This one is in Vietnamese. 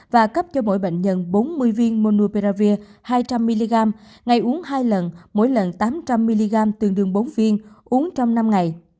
và cấp cho mỗi bệnh nhân bốn mươi viên monuperavir hai trăm linh mg ngày uống hai lần mỗi lần tám trăm linh mg tương đương bốn viên uống trong năm ngày